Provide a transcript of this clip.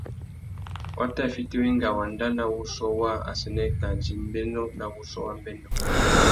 Wa tà fiti wenga wanda nà wuchiô waā assênē kā djï mbénô nà wuchiô wa mbêndô.